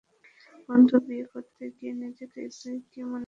বন্ধু, বিয়ে করতে গিয়ে নিজেকে তুই কি মনে করছিস?